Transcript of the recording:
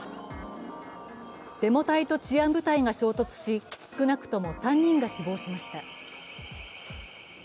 デモ隊と治安部隊が衝突し少なくとも３人が死亡しました。